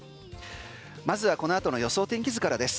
まずはこの後の予想天気図からです。